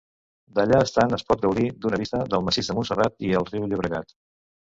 D'allà estant, espot gaudir d'una vista del massís de Montserrat i el riu Llobregat.